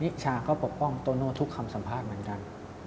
ชาก็ปกป้องโตโน่ทุกคำสัมภาษณ์เหมือนกัน